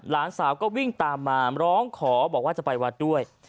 หลานสาวก็วิ่งตามมาร้องขอบอกว่าจะไปวัดด้วย